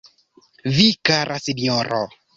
Vi, kara sinjoro?